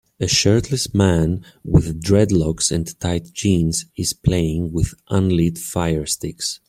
A shirtless man with dreadlocks and tight jeans is playing with unlit fire sticks.